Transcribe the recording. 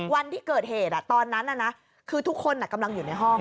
วันที่เกิดเหตุตอนนั้นคือทุกคนกำลังอยู่ในห้อง